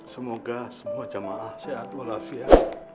semoga semua jamaah sehat walafiat